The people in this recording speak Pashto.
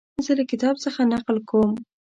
زه له کتاب څخه نقل کوم.